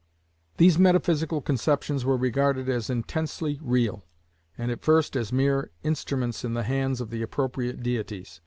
These metaphysical conceptions were regarded as intensely real, and at first as mere instruments in the hands of the appropriate deities.